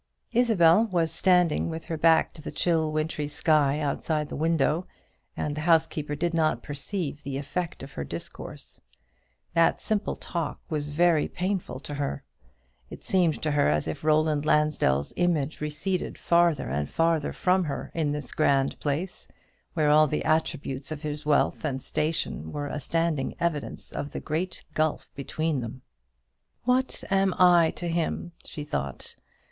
'" Isabel was standing with her back to the chill wintry sky outside the window, and the housekeeper did not perceive the effect of her discourse. That simple talk was very painful to Mrs. Gilbert. It seemed to her as if Roland Lansdell's image receded farther and farther from her in this grand place, where all the attributes of his wealth and station were a standing evidence of the great gulf between them. "What am I to him?" she thought.